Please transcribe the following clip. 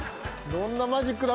どんなマジックだ？